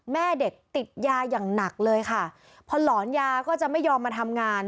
แม่เด็กติดยาอย่างหนักเลยค่ะพอหลอนยาก็จะไม่ยอมมาทำงาน